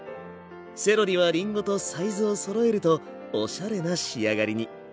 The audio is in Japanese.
セロリはりんごとサイズをそろえるとおしゃれな仕上がりに。